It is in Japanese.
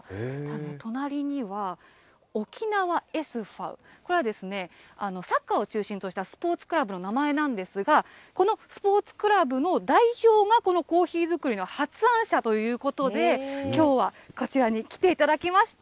隣には、沖縄ＳＶ、これは、サッカーを中心としたスポーツクラブの名前なんですが、このスポーツクラブの代表がこのコーヒー作りの発案者ということで、きょうはこちらに来ていただきました。